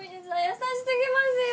優し過ぎますよ！